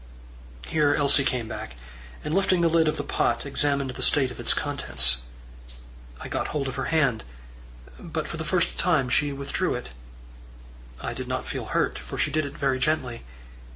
Here Elsie came back, and lifting the lid of the pot, examined the state of its contents. I got hold of her hand, but for the first time she withdrew it. I did not feel hurt, for she did it very gently.